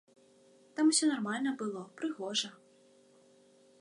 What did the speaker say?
Там усё нармальна было, прыгожа.